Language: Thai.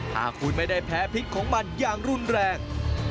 หากคุณไม่ได้แพ้พิษของมันอย่างรุนแรง